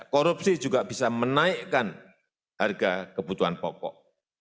korupsi juga bisa menaikkan harga kebutuhan pokok